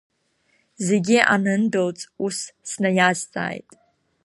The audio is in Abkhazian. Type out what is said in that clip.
Зегьы анындәылҵ, ус снаиазҵааит…